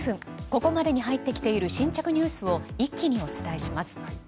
ここまでに入ってきている新着ニュースをお伝えします。